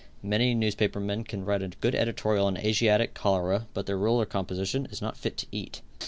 Many newspaper men can write a good editorial on Asiatic cholera, but their roller composition is not fit to eat.